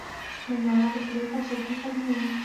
هندوانه د خولې خشکي ختموي.